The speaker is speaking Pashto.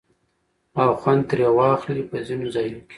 او خوند ترې واخلي په ځينو ځايو کې